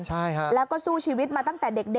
ใช่ค่ะแล้วก็สู้ชีวิตมาตั้งแต่เด็ก